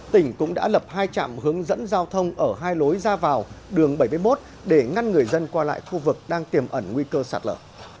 tỉnh cũng đã lập hai trạm hướng dẫn giao thông ở hai lối ra vào đường bảy mươi một để ngăn người dân qua lại khu vực đang tiềm ẩn nguy cơ sạt lở